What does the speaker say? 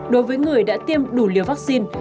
đối với người đã tiêm đủ liều vaccine